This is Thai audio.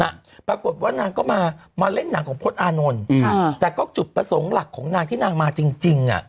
อ่ะปรากฏว่านางก็มาเล่นหนักของพตตลอานวลได้ก็จุดละสมรักของนางที่นางมาจริงอ่ะ